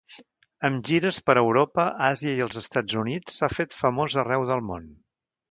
Amb gires per Europa, Àsia i els Estats Units, s'ha fet famós arreu del món.